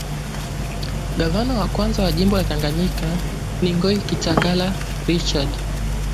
Gavana wa kwanza wa jimbo la tanganyika ni Ngoy kitangala richard